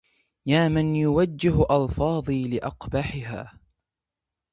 يا من يوجه ألفاظي لأقبحها